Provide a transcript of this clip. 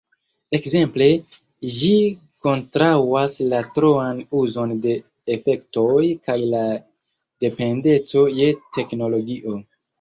Ekzemple, ĝi kontraŭas la troan uzon de efektoj kaj la dependeco je teknologio.